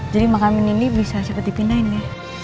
jadi makam nindi bisa cepet dipindahin ya